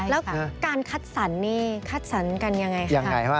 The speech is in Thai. แล้วการคัดสรรคัดสรรกันยังไงครับ